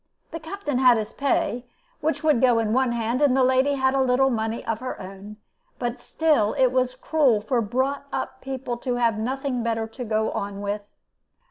The Captain had his pay, which would go in one hand, and the lady had a little money of her own; but still it was cruel for brought up people to have nothing better to go on with.